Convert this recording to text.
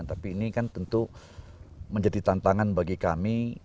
tapi ini kan tentu menjadi tantangan bagi kami